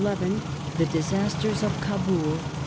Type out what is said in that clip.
THE DISASTERS OE CABUL.